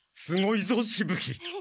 すごいぞしぶ鬼。